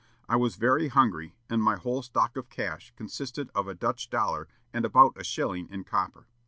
I was very hungry, and my whole stock of cash consisted of a Dutch dollar and about a shilling in copper.